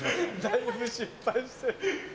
だいぶ失敗してる。